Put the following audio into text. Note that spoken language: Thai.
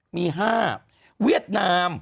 มี๕เวียดนาม